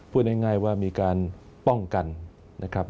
พูดง่ายว่ามีการป้องกันนะครับ